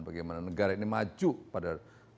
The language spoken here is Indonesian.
bagaimana negara ini maju pada dua ribu empat puluh lima